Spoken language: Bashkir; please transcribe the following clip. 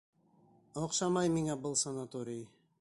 Оҡшамай миңә был санаторий...